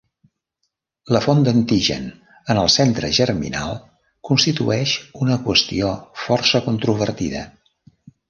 La font d'antigen en el centre germinal constitueix una qüestió força controvertida.